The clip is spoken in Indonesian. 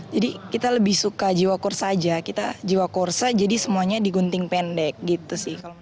jadi kita lebih suka jiwa kursa saja kita jiwa kursa jadi semuanya digunting pendek gitu sih